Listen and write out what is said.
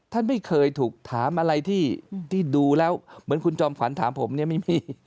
ท่านไม่เคยถูกถามอะไรที่ดูแล้วเหมือนคุณจอมขวัญถามผมเนี่ยไม่มี